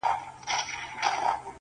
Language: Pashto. چي تندي كي دي سجدې ورته ساتلې٫